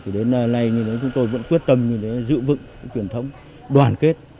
đến nay chúng tôi vẫn quyết tâm giữ vững truyền thống đoàn kết